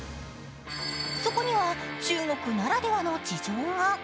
そこには中国ならではの事情が。